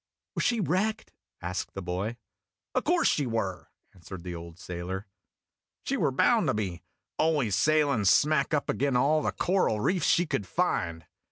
"Was she wrecked?" asked the boy. " O' course she were," answered the old sailor. "She were bound to be always sailing smack up ag'in' all the coral reefs she could find.